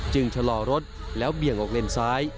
ชะลอรถแล้วเบี่ยงออกเลนซ้าย